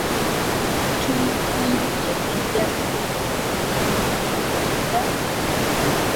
Ettundutundu lye erya ssente lyamuweebwa dda.